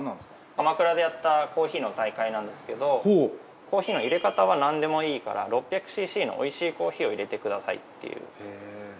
鎌倉でやったコーヒーの大会なんですけどコーヒーの淹れ方は何でもいいから６００ｃｃの美味しいコーヒーを淹れてくださいっていう。